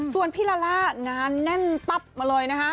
ส่วนพี่ลาล่างานแน่นตับมาเลยนะคะ